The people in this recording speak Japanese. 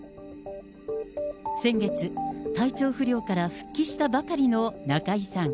先月、体調不良から復帰したばかりの中居さん。